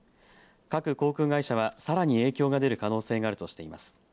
各航空会社は、さらに影響が出る可能性があるとしています。